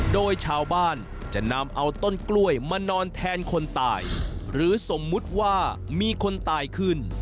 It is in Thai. โดยชาวบ้านจะนำเอาต้นกล้วยมานอนแทนคนตายหรือสมมุติว่ามีคนตายขึ้น